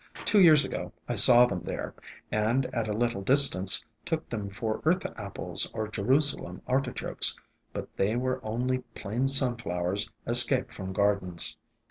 Two years ago I saw them there, and, at a little distance, took them for Earth Apples or Jerusalem Artichokes, but they were only plain Sunflowers escaped from gardens.